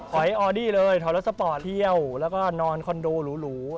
อยออดี้เลยถอยรถสปอร์ตเที่ยวแล้วก็นอนคอนโดหรู